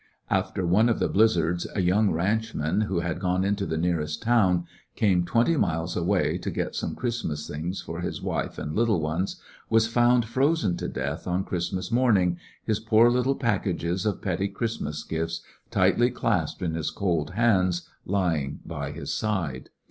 Frozen to After one of the blizzards a young ranchman who had gone into the nearest town, some twenty miles away, to get some Christmas things for his wife and little ones, was found frozen to death on Christmas morning, his poor little packages of petty Christmas gifts tightly clasped in his cold hands lying by his side.